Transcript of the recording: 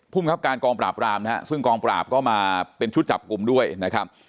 ภูมิครับการกองปราบรามนะฮะซึ่งกองปราบก็มาเป็นชุดจับกลุ่มด้วยนะครับ